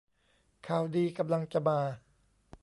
ข่าวดีกำลังจะมา